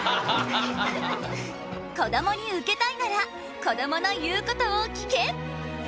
こどもにウケたいならこどもの言うことを聞け！